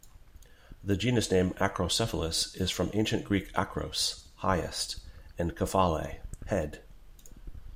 The genus name "Acrocephalus" is from Ancient Greek "akros", "highest", and "kephale", "head".